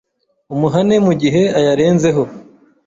umuhane mu gihe ayarenzeho.